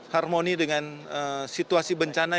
harmoni dengan situasi bencana